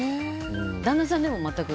旦那さんでも全く。